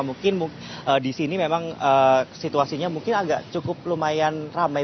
mungkin di sini memang situasinya mungkin agak cukup lumayan ramai